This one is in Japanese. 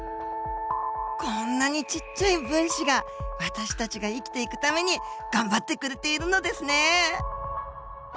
こんなにちっちゃい分子が私たちが生きていくために頑張ってくれているのですね。